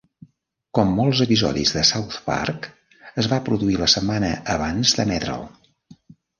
Com molts episodis de South Park, es va produir la setmana abans d'emetre'l.